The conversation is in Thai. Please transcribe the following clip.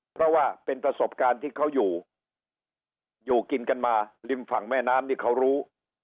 เพราะว่าเป็นประสบการณ์ที่เขาอยู่อยู่กินกันมาริมฝั่งแม่น้ำนี่เขารู้